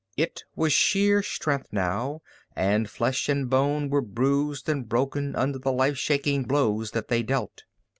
It was sheer strength now and flesh and bone were bruised and broken under the life shaking blows that they dealt.